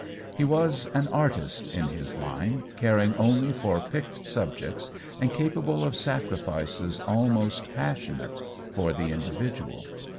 He was an artist in his line, caring only for picked subjects, and capable of sacrifices almost passionate for the individual.